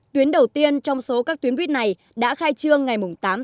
tuyến đầu tiên trong số các tuyến buýt này đã khai trương ngày tám tháng chín